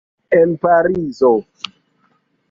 En Parizo.